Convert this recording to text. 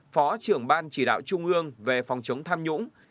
phó trưởng ban chỉ đạo trung ương về phòng chống tham nhũng